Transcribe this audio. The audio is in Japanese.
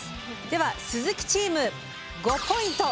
では鈴木チーム５ポイント！